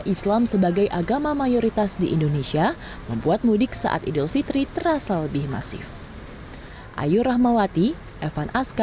islam sebagai agama mayoritas di indonesia membuat mudik saat idul fitri terasa lebih masif